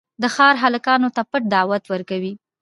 د ښار هلکانو ته پټ دعوت ورکوي.